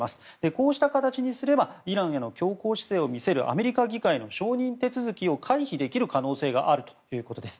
こうした形にすればイランへの強硬姿勢を見せるアメリカ議会の承認手続きを回避できる可能性があるということです。